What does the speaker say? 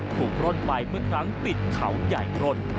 ถูกร่นไปเมื่อครั้งปิดเขาใหญ่รถ